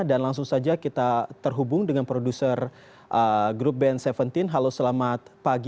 dan langsung saja kita terhubung dengan produser grup band tujuh belas halo selamat pagi